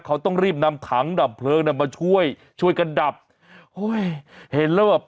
เขาต้องรีบนำถังดับเพลิงน่ะมาช่วยช่วยกันดับโอ้ยเห็นแล้วแบบ